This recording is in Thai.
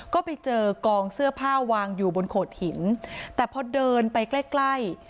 ก็ไปเจอกองเสื้อผ้าวางอยู่บนโขดหินแต่พอเดินไปใกล้ใกล้